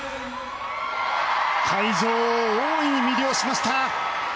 会場を大いに魅了しました。